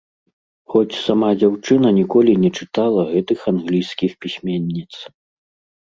Хоць сама дзяўчына ніколі не чытала гэтых англійскіх пісьменніц.